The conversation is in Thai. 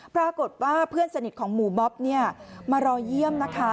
ปรากฏว่าเพื่อนสนิทของหมู่บ๊อบมารอเยี่ยมนะคะ